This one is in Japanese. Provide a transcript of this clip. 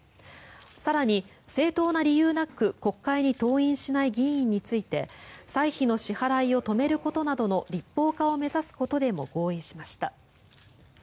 更に、正当な理由なく国会に登院しない議員について歳費の支払いを止めることなどの立法化を目指すことでも合意しました。